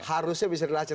harusnya bisa dilacak